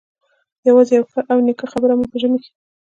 یوازې یوه ښه او نېکه خبره مو په ژمي کې.